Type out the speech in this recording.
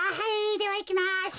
ではいきます。